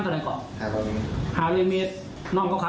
ตีหรือเปล่า